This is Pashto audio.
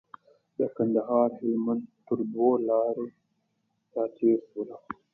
د کندهار هلمند تر دوه لارې راتېر شولو.